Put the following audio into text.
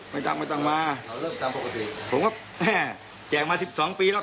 ไม่ต้องมาผมว่าแจกมา๑๒ปีแล้ว